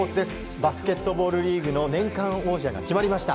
バスケットボールリーグの年間王者が決まりました。